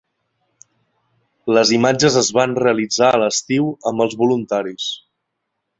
Les imatges es van realitzar a l’estiu amb els voluntaris.